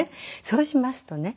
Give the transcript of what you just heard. そうしますとね